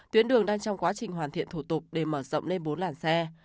tuyến đường đang trong quá trình hoàn thiện thủ tục để mở rộng lên bốn làn xe